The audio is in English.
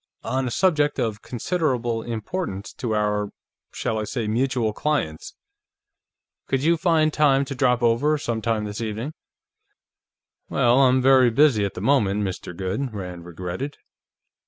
"On a subject of considerable importance to our, shall I say, mutual clients. Could you find time to drop over, sometime this evening?" "Well, I'm very busy, at the moment, Mr. Goode," Rand regretted.